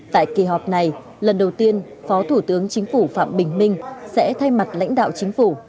tại kỳ họp này lần đầu tiên phó thủ tướng chính phủ phạm bình minh sẽ thay mặt lãnh đạo chính phủ